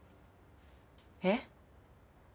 えっ？